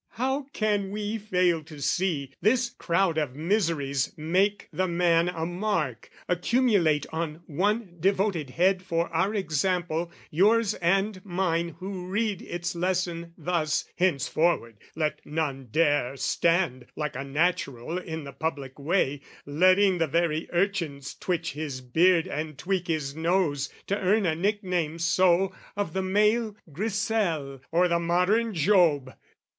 How can we fail to see, This crowd of miseries make the man a mark, Accumulate on one devoted head For our example, yours and mine who read Its lesson thus "Henceforward let none dare "Stand, like a natural in the public way, "Letting the very urchins twitch his beard "And tweak his nose, to earn a nickname so, "Of the male Grissel or the modern Job!"